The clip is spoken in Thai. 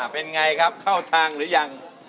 เป็นไงครับเข้าทางหรือยัง